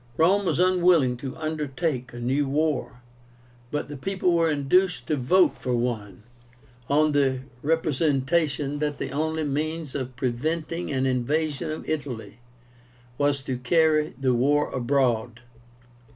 Rome was unwilling to undertake a new war, but the people were induced to vote for one, on the representation that the only means of preventing an invasion of Italy was to carry the war abroad.